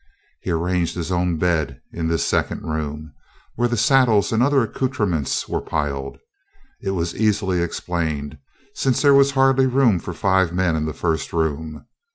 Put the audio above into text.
He arranged his own bed in this second room, where the saddles and other accouterments were piled. It was easily explained, since there was hardly room for five men in the first room.